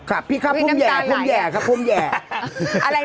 กลับพี่ค่ะพุ่มแห่ครับพุ่มแห่